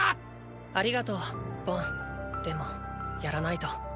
ありがとうボンでもやらないと。